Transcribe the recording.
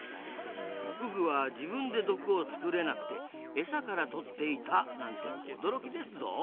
フグは自分で毒を作れなくてから取っていたなんて驚きですぞ！